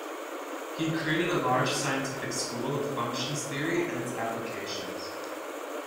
He created a large scientific school of functions' theory and its applications.